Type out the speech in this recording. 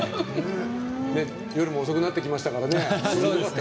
夜も遅くなってきましたからね。